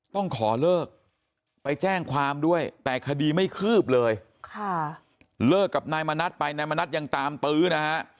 ต้องขอเลิกไปแจ้งความด้วยแต่คดีไม่คืบเลยเลิกกับนายมณัฐไปนายมณัฐยังตามตื้อนะฮะ